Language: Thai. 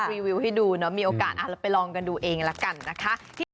รีวิวให้ดูเนอะมีโอกาสเราไปลองกันดูเองละกันนะคะ